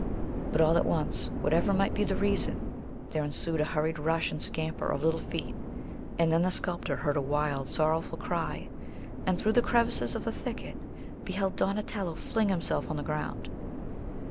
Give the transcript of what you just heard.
But, all at once, whatever might be the reason, there ensued a hurried rush and scamper of little feet; and then the sculptor heard a wild, sorrowful cry, and through the crevices of the thicket beheld Donatello fling himself on the ground.